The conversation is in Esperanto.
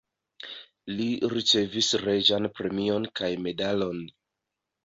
Li ricevis reĝan premion kaj medalon.